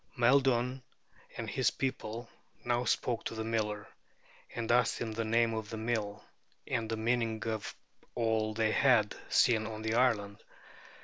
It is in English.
Maeldun and his people now spoke to the miller, and asked him the name of the mill, and the meaning of all they had seen on the island.